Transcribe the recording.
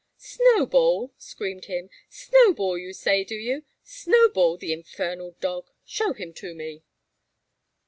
"Snowball!" screamed he; "Snowball, you say, do you? Snowball, the infernal dog! Show him to me!